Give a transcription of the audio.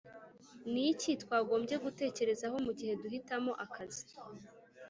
Ni iki twagombye gutekerezaho mu gihe duhitamo akazi